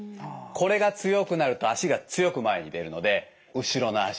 これが強くなると足が強く前に出るので後ろの足